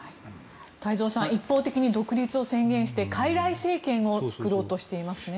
太蔵さん一方的に独立を宣言してかいらい政権を作ろうとしていますね。